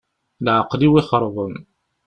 Leεqel-iw ixeṛben.